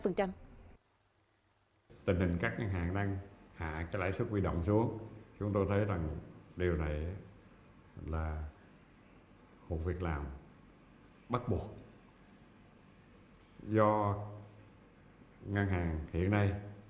ngân hàng hiện nay